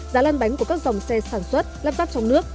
giá lăn bánh của các dòng xe sản xuất lắp dắt trong nước